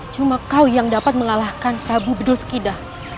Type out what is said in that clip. cuma kau yang dapat mengalahkan prabu bedul skida